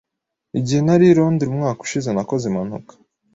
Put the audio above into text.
Igihe nari i Londres umwaka ushize nakoze impanuka.